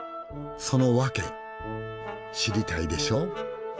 その訳知りたいでしょ？